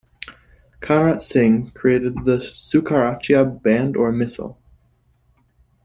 Charat Singh created the Shukarchakia band or Misl.